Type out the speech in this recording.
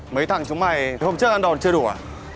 mấy thằng chúng mày hôm trước ăn đòn chưa đủ à